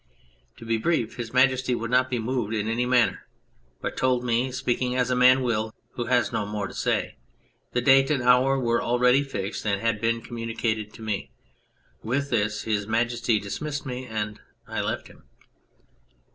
To be brief, His Majesty would not be moved in any manner, but told me, speaking as a man will who has no more to say, the date and hour were already fixed, and had been communicated to me. With this His Majesty dis missed me, and I left him.